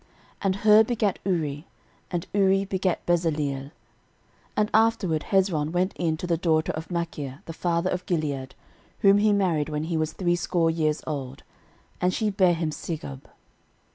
13:002:020 And Hur begat Uri, and Uri begat Bezaleel. 13:002:021 And afterward Hezron went in to the daughter of Machir the father of Gilead, whom he married when he was threescore years old; and she bare him Segub.